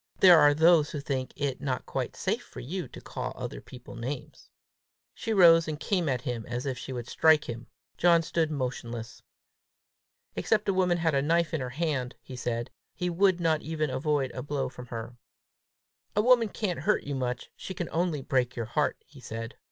There are those who think it not quite safe for you to call other people names!" She rose and came at him as if she would strike him. John stood motionless. Except a woman had a knife in her hand, he said, he would not even avoid a blow from her. "A woman can't hurt you much; she can only break your heart!" he said.